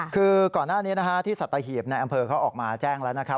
คือก่อนหน้านี้ที่สัตหีบในอำเภอเขาออกมาแจ้งแล้วนะครับ